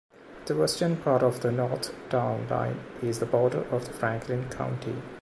The western part of the north town line is the border of Franklin County.